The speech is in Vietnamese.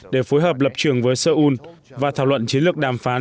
để phối hợp lập trường với seoul và thảo luận chiến lược đàm phán